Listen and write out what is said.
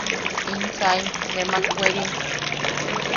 ¡In saim, nemak werim!